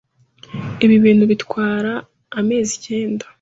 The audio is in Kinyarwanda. Ibi bintu bitwara amezi icyenda